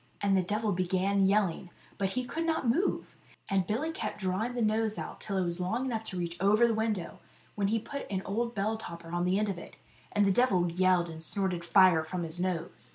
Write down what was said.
And the devil began yelling, but he could not move, and Billy kept drawing the nose out till it was long enough to reach over the window, when he put an old bell topper on the end of it. And the devil yelled, and snorted fire from his nose.